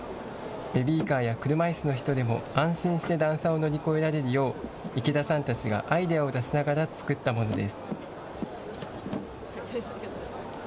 ベビーカーや車いすの人でも安心して段差を乗り越えられるよう池田さんたちがアイデアを出しながら作ったものです。